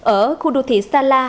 ở khu đô thị sa la